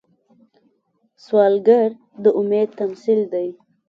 سوالګر د امید تمثیل دی